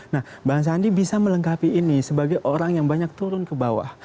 nah bang sandi bisa melengkapi ini sebagai orang yang banyak turun ke bawah